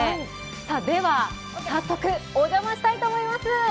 では、早速お邪魔したいと思います。